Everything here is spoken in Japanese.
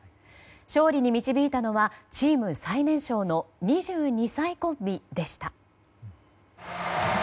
勝利に導いたのはチーム最年少の２２歳コンビでした。